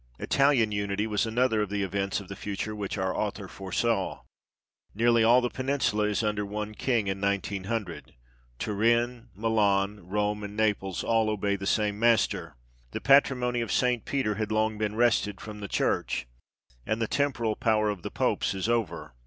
Italian unity was another of the events of the future which our author foresaw. Nearly all the Peninsula is under one king in 1900 : Turin, Milan, Rome, and Naples all obey the same master. " The patrimony of St. Peter had long been wrested from the Church," and the temporal power of the Popes is over.